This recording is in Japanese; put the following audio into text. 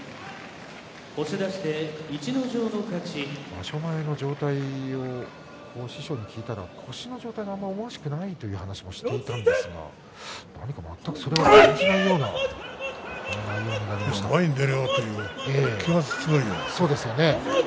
場所前の状態を師匠に聞いたら、腰の状態が思わしくないという話をしていたんですが何か全くそれを感じないような前に出ようという気持ちが、すごいよ。